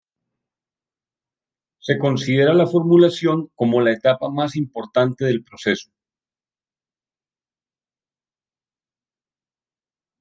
Se considera la formulación como la etapa más importante del proceso.